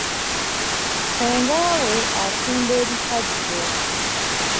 Ssenga we atunda ebikajjo.